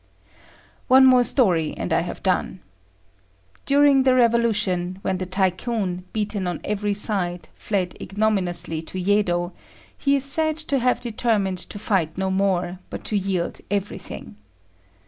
One more story and I have done. During the revolution, when the Tycoon, beaten on every side, fled ignominiously to Yedo, he is said to have determined to fight no more, but to yield everything.